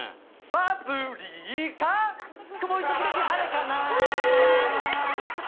「パプリカ」「曇り時々晴れかな」